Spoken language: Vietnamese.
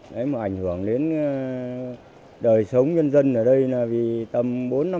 đấy mà ảnh hưởng đến đời sống nhân dân ở đây là vì tầm bốn năm